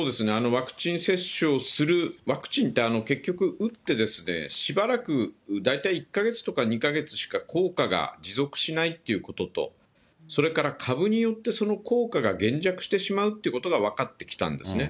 ワクチン接種をする、ワクチンって、結局、打ってしばらく、大体１か月とか２か月しか効果が持続しないということと、それから株によってその効果が減弱してしまうっていうことが分かってきたんですね。